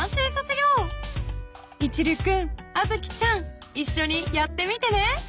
［いちる君あづきちゃんいっしょにやってみてね］